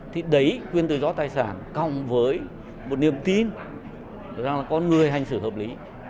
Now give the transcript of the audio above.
thì đấy quyền tự do tài sản cộng với một niềm tin rằng con người hành xử hợp lý